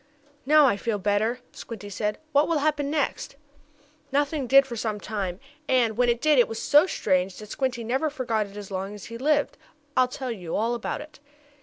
"Now I feel better," Squinty said. "What will happen next?" Nothing did for some time, and, when it did it was so strange that Squinty never forgot it as long as he lived. I'll tell you all about it.